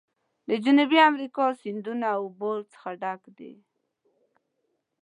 د جنوبي امریکا سیندونه له اوبو څخه ډک دي.